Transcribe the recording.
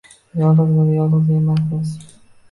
Yolg‘iz va yolg‘iz emasmiz.